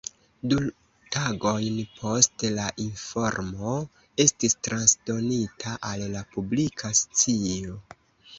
Du tagojn poste la informo estis transdonita al la publika scio.